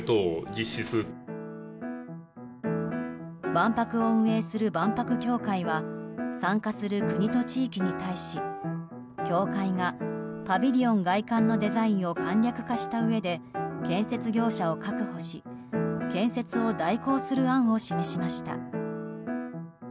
万博を運営する万博協会は参加する国と地域に対し協会がパビリオン外観のデザインを簡略化したうえで建設業者を確保し建設を代行する案を示しました。